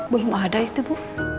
belum ada itu bu